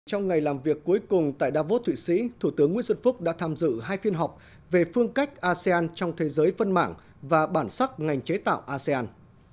trong ngày làm việc cuối cùng tại davos thụy sĩ thủ tướng nguyễn xuân phúc đã tham dự hai phiên họp về phương cách asean trong thế giới phân mảng và bản sắc ngành chế tạo asean